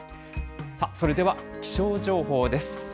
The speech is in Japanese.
それでは気象情報です。